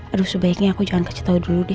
aduh sebaiknya aku jangan kasih tahu dulu deh